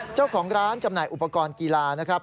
เจ้าของร้านจำหน่ายอุปกรณ์กีฬานะครับ